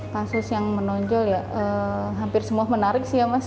kasus yang menonjol ya hampir semua menarik sih ya mas